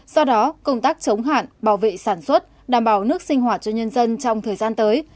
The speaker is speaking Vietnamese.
do đó công tác chống hạn bảo vệ sản xuất đảm bảo nước sinh hoạt cho nhân dân trong thời gian tới